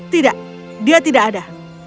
tidak dia tidak ada